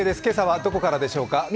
今朝はどこからでしょうか？